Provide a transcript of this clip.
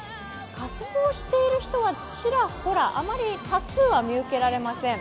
仮装をしている人はちらほら、あまり多数は見受けられません。